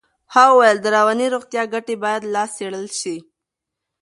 ها وویل د رواني روغتیا ګټې باید لا څېړل شي.